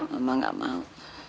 mama gak mau